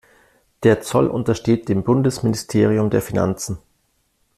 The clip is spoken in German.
Der Zoll untersteht dem Bundesministerium der Finanzen.